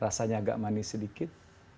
rasanya agak manis sedikit